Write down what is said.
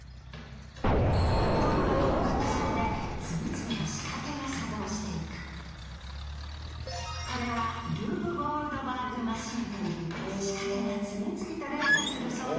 ボールが転がった先で次々とこれはルーブ・ゴールドバーグ・マシンといい仕掛けが次々と連鎖する装置だという。